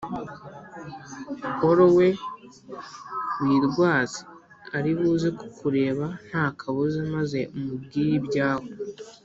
Polo we wirwaze ari buze kukureba nta kabuza maze umubwire ibyawe.